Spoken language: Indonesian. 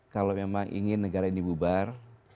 kalau memang ingin negara ini bubar